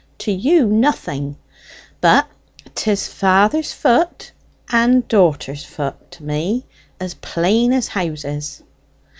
To you, nothing; but 'tis father's voot and daughter's voot to me, as plain as houses."